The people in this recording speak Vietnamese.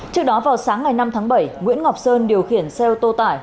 trước đó vào sáng ngày năm tháng bảy nguyễn ngọc sơn điều khiển xe ô tô tải